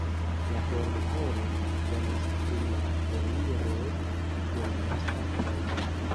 La fermo-horo temas pri la eliro de la lasta trajno.